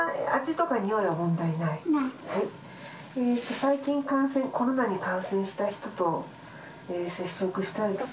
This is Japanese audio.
最近、コロナに感染した人と接触したりとか。